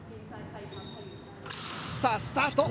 さあスタート。